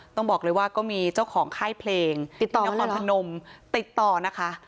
ต้องบอกเลยว่าก็มีเจ้าของไข้เพลงติดต่อนะคะ